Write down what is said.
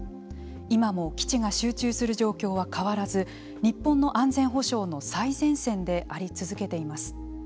今も基地が集中する状況は変わらず日本の安全保障の最前線であり続けています。